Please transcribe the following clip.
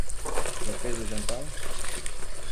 Já fez o jantar?